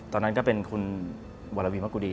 ตอนนั้นก็เป็นคุณวรวีมะกุดี